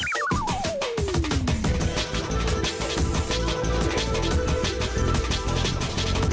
สวัสดีค่ะ